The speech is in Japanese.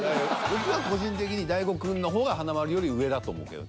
僕は個人的に大悟くんの方が華丸より上だと思うけど。